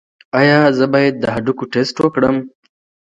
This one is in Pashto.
ایا زه باید د هډوکو ټسټ وکړم؟